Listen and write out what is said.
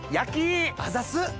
あざっす！